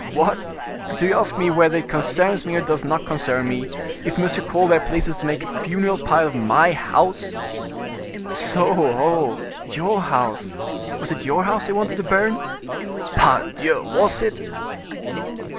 "What! do you ask me whether it concerns me or does not concern me, if M. Colbert pleases to make a funeral pile of my house?" "So, ho, your house—was it your house they wanted to burn?" "Pardieu! was it!"